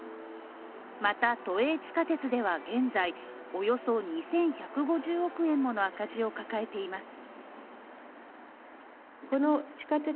また都営地下鉄では現在、およそ２１５０億円もの赤字を抱えています。